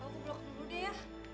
aku blok dulu deh ya